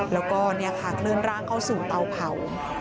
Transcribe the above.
แล้วก็เนี่ยค่ะเคลื่อนร่างเข้าสึงเตาเผา